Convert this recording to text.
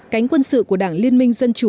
cánh quân sự của đảng liên minh dân chủ